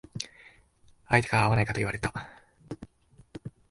相手から会わないかって言われた。